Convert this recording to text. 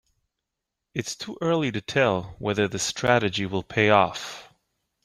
Its too early to tell whether the strategy will pay off.